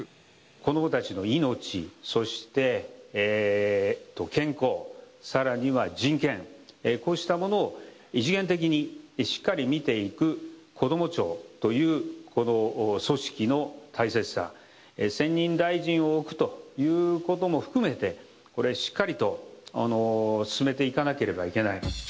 子どもたちの命、そして健康、さらには人権、こうしたものを一元的にしっかり見ていくこども庁というこの組織の大切さ、専任大臣を置くということも含めて、これ、しっかりと進めていかなければいけない。